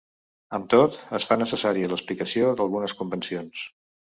Amb tot, es fa necessària l'explicació d'algunes convencions.